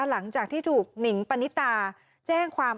หลังจากที่ถูกหนิงปณิตาแจ้งความ